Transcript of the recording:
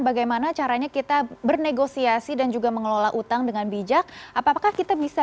bagaimana caranya kita bernegosiasi dan juga mengelola utang dengan bijak apakah kita bisa